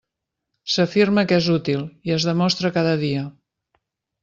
S'afirma que és útil, i es demostra cada dia.